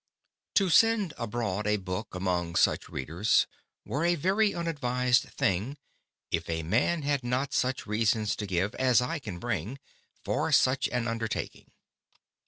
_ To send abroad a Book, among such Readers, were a very unadvised thing, if a Man had not such Reasons to give, as I can bring, for such an Undertaking.